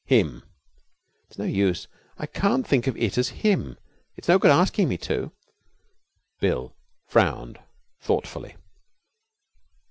'Him.' 'It's no use, I can't think of it as "him." It's no good asking me to.' Bill frowned thoughtfully.